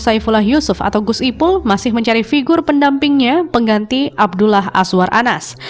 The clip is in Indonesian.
saifullah yusuf atau gus ipul masih mencari figur pendampingnya pengganti abdullah azwar anas